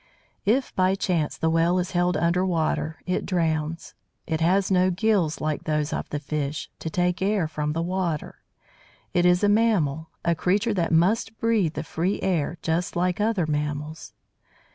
If by chance the Whale is held under water, it drowns. It has no gills, like those of the fish, to take air from the water; it is a mammal, a creature that must breathe the free air just as other mammals.